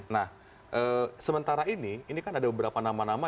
nah sementara ini ini kan ada beberapa nama nama